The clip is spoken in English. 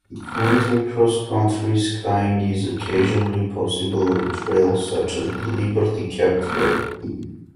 Winter cross-country skiing is occasionally possible on trails such as the Liberty Cap Trail.